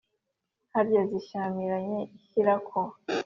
harya zishyamiranye, ishyirako